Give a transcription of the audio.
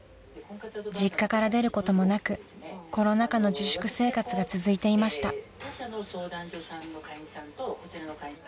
［実家から出ることもなくコロナ禍の自粛生活が続いていました］